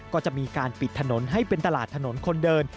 ก็จะมีการปิดถนนให้เป็นตลาดถนนคนเดิน